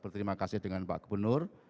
berterima kasih dengan pak gubernur